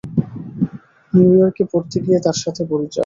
নিউ-ইয়র্কে পড়তে গিয়ে তার সাথে পরিচয়।